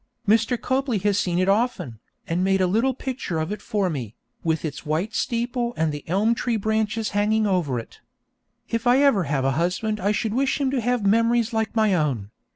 Mr. Copley has seen it often, and made a little picture of it for me, with its white steeple and the elm tree branches hanging over it. If I ever have a husband I should wish him to have memories like my own.